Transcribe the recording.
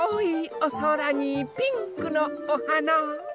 おそらにピンクのおはな。